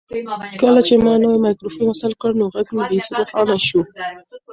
کله چې ما نوی مایکروفون وصل کړ نو غږ مې بیخي روښانه شو.